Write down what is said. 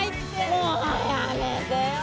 もうやめてよ！